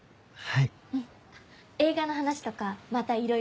はい。